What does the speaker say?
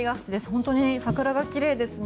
本当に桜が奇麗ですね。